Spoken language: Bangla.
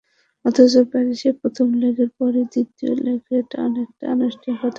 অথচ প্যারিসে প্রথম লেগের পরই দ্বিতীয় লেগটা অনেকটা আনুষ্ঠানিকতা হয়ে গেছে।